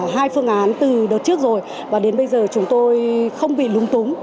hai phương án từ đợt trước rồi và đến bây giờ chúng tôi không bị lúng túng